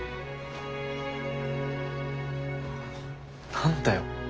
何だよ。